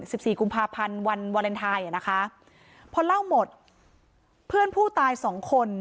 สิบสี่กุมภาพันธ์วันนะคะพอเล่าหมดเพื่อนผู้ตายสองคน